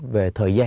về thời gian